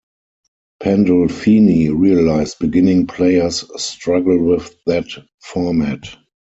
Pandolfini realized beginning players struggle with that format.